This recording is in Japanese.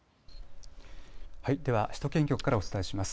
では首都圏局からお伝えします。